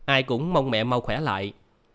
ai cũng mong mẹ mau khỏe lại